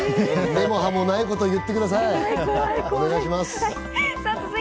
根も葉もないこと言ってください。